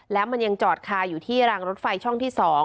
แล้วมันยังจอดคาอยู่ที่รางรถไฟช่องที่๒